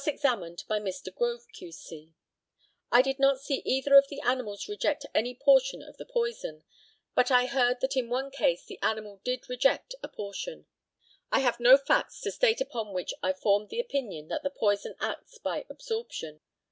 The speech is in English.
Cross examined by Mr. GROVE, Q.C.: I did not see either of the animals reject any portion of the poison; but I heard that in one case the animal did reject a portion. I have no facts to state upon which I formed the opinion that the poison acts by absorption.